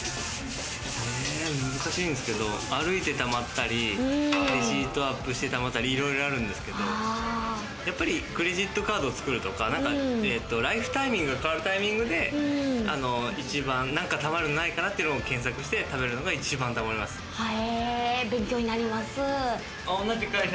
難しいんですけれども、歩いてたまったり、レシートをアップしてたまったり、いろいろあるんですけれども、やっぱりクレジットカードを作るとか、ライフタイミングが変わるタイミングで一番なんかたまるのないかなって検索してためるのが一番たまりま勉強になります。